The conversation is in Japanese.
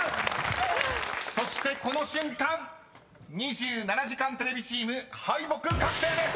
［そしてこの瞬間２７時間テレビチーム敗北確定です］